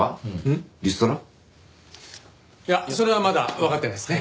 いやそれはまだわかってないですね。